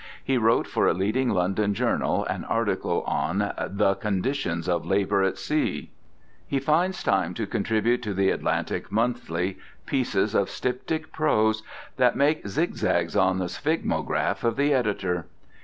He wrote for a leading London journal an article on "The Conditions of Labour at Sea." He finds time to contribute to the Atlantic Monthly pieces of styptic prose that make zigzags on the sphygmograph of the editor.